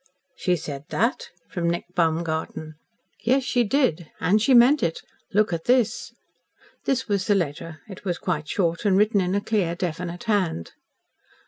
"She said that?" from Nick Baumgarten. "Yes, she did, and she meant it. Look at this." This was the letter. It was quite short, and written in a clear, definite hand.